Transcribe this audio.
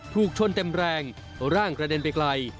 ถูกชนเต็มแรงร่างกระเด็นไปไกล